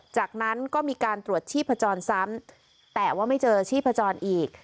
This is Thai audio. จากนั้นก็มีการตรวจชีพจรซ้ำแต่ว่าไม่เจอชีพจรอีก